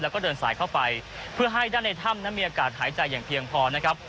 แล้วก็เดินสายเข้าไปเพื่อให้ด้านในถ้ำนั้นมีอากาศหายใจอย่างเพียงพอนะครับ